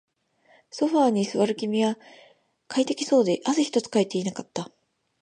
ソファーに座る君は快適そうで、汗一つかいていなかった